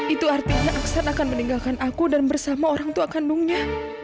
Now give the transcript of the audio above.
itu artinya aksan akan meninggalkan aku dan bersama orang tua kandungnya